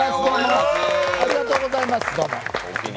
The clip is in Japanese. ありがとうございます。